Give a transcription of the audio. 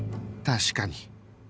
確かに